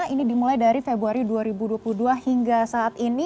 ini dimulai dari februari dua ribu dua puluh dua hingga saat ini